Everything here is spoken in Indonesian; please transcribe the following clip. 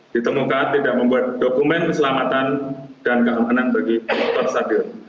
di temuka tidak membuat dokumen keselamatan dan keamanan bagi dr sadir